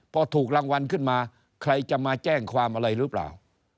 พอถูกรางวัลขึ้นมาใครจะมาแจ้งความอะไรหรือเปล่า